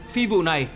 phi vụ này